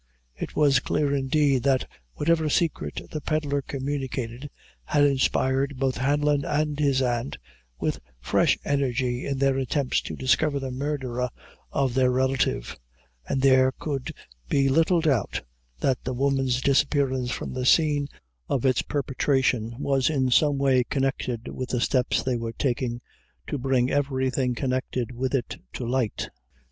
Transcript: It was clear, indeed, that whatever secret the pedlar communicated, had inspired both Hanlon and his aunt with fresh energy in their attempts to discover the murderer of their relative; and there could be little doubt that the woman's disappearance from the scene of its perpetration was in some way connected with the steps they were taking to bring everything connected with it to light.